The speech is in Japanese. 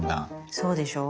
そうでしょう？